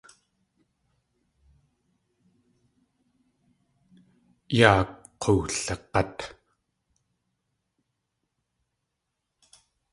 Yaa ak̲oowlig̲át.